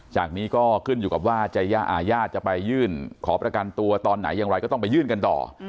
จากนี้ก็ขึ้นอยู่กับว่าญาติจะไปยื่นขอประกันตัวตอนไหนอย่างไรก็ต้องไปยื่นกันต่อ